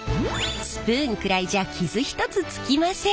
スプーンくらいじゃ傷一つつきません。